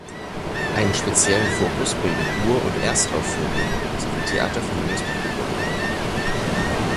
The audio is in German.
Einen speziellen Fokus bilden Ur- und Erstaufführungen sowie Theater für junges Publikum.